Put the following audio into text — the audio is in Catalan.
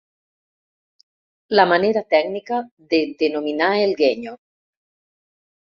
La manera tècnica de denominar el guenyo.